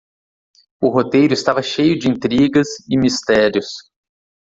O roteiro estava cheio de intrigas e mistérios.